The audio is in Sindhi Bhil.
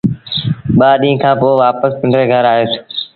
ٻآ ڏيٚݩهݩ کآݩ پو وآپس پنڊري گھر آيوس۔